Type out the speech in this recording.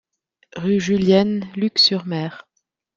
Rue Julienne, Luc-sur-Mer